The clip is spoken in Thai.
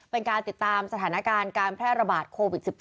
เป็นการติดตามสถานการณ์การแพร่ระบาดโควิด๑๙